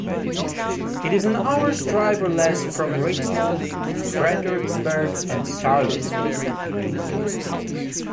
It is an hour's drive or less from Richmond, Fredericksburg and Charlottesville.